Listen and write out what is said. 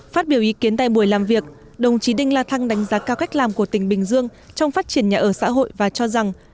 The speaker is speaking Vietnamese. phát biểu ý kiến tại buổi làm việc đồng chí đinh la thăng đánh giá cao cách làm của tỉnh bình dương trong phát triển nhà ở xã hội và cho rằng